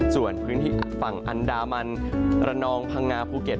ส่วนพื้นที่ฝั่งอันดามันระนองพังงาภูเก็ต